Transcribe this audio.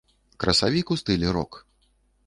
Красавік у стылі рок.